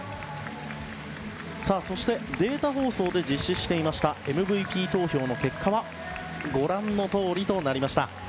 そして、データ放送で実施していましたＭＶＰ投票の結果はご覧のとおりとなりました。